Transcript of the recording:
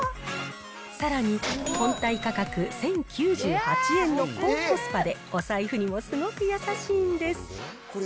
さらに、本体価格１０９８円の高コスパでお財布にもすごく優しいんです。